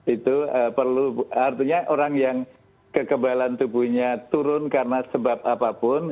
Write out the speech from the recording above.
itu perlu artinya orang yang kekebalan tubuhnya turun karena sebab apapun